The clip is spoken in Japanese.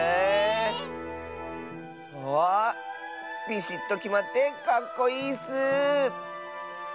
ビシッときまってかっこいいッス！